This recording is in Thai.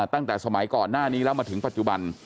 ตั้งแต่สมัยก่อนหน้านี้แล้วมาถึงปัจจุบัน